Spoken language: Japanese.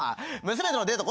娘とのデート